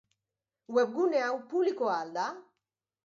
Webgune hau publikoa al da?